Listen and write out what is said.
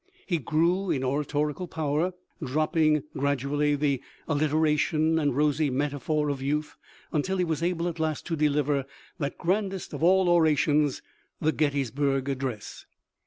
He grew in oratorical power, dropping gradually the alliteration and rosy metaphor of youth, until he was able at last to deliver that grandest of all orations — the Gettysburg address.